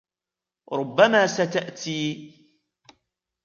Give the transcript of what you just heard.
ربما ستأتي.